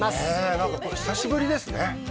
なんかこれ、久しぶりですね